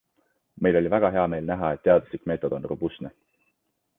Meil oli väga hea meel näha, et teaduslik meetod on robustne.